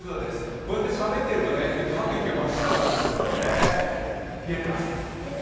こうやってしゃべっていると吐く息が真っ白なんですよね、冷えてます。